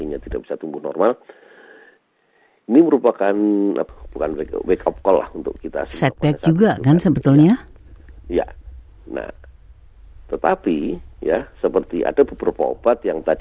ya kecuali manusia ya